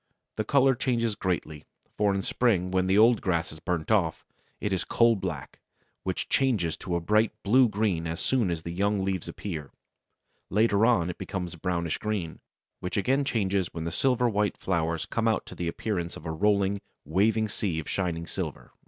"The colour changes greatly, for in spring when the old grass is burnt off, it is coal black, which changes to a bright blue green as soon as the young leaves appear; later on it becomes brownish green, which again changes when the silver white flowers come out to the appearance of a rolling, waving sea of shining silver."